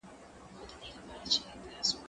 زه اوږده وخت مکتب ته ځم!